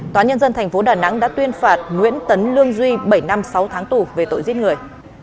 tòa nhân dân tp đà nẵng đã tuyên phạt nguyễn tấn lương duy bảy năm sáu tháng tù về tội giết người